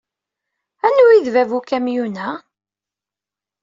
Anwa ay d bab n ukamyun-a?